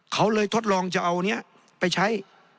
เขาเลยทดลองจะเอานี้ไปใช้